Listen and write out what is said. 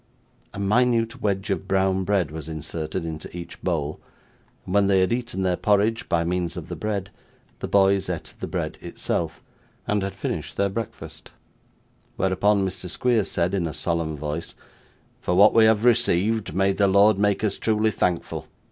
A minute wedge of brown bread was inserted in each bowl, and when they had eaten their porridge by means of the bread, the boys ate the bread itself, and had finished their breakfast; whereupon Mr. Squeers said, in a solemn voice, 'For what we have received, may the Lord make us truly thankful!